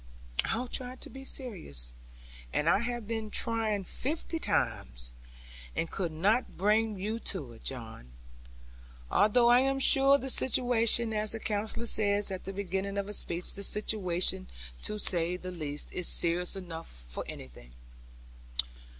'I try to be serious! And I have been trying fifty times, and could not bring you to it, John! Although I am sure the situation, as the Counsellor says at the beginning of a speech, the situation, to say the least, is serious enough for anything.